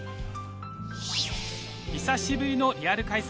久しぶりのリアル開催。